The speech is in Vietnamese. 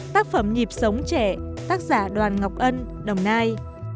tác phẩm nhịp sống trẻ tác giả đoàn ngọc ân đồng nai